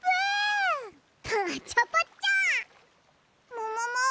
ももも？